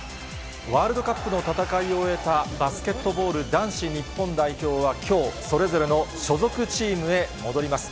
ワールドカップの戦いを終えたバスケットボール男子日本代表はきょう、それぞれの所属チームへ戻ります。